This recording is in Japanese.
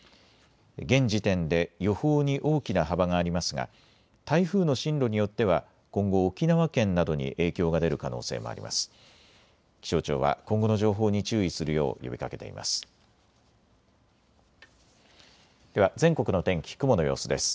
現時点で予報に大きな幅がありますが台風の進路によっては今後、沖縄県などに影響が出る可能性もあります。